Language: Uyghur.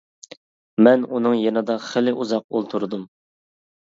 مەن ئۇنىڭ يېنىدا خېلى ئۇزاق ئولتۇردۇم.